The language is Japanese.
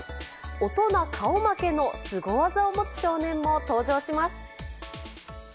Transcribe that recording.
大人顔負けのすご技を持つ少年も登場します。